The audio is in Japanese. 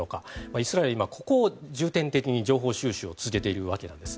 イスラエルここを重点的に情報収集を続けているわけなんです。